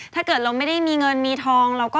หาทางออกก็โอเค